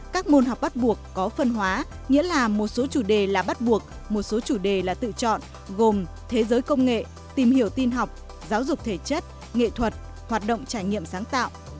các môn học bắt buộc có phân hóa nghĩa là một số chủ đề là bắt buộc một số chủ đề là tự chọn gồm thế giới công nghệ tìm hiểu tin học giáo dục thể chất nghệ thuật hoạt động trải nghiệm sáng tạo